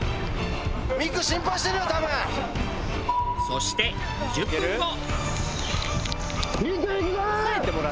そして２０分後。